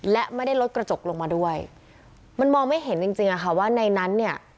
และไม่ได้ลดกระจกลงมาด้วยมันมองไม่เห็นจริงจริงอะค่ะว่าในนั้นเนี่ย